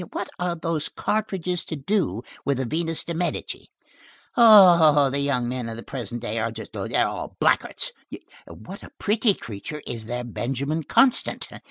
What have those cartridges to do with the Venus de Medici? Oh! the young men of the present day are all blackguards! What a pretty creature is their Benjamin Constant!